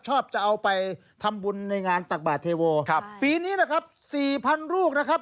ชอบจะเอาไปทำบุญในงานตักบาทเทโวครับปีนี้นะครับสี่พันลูกนะครับ